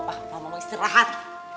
mama mau istirahat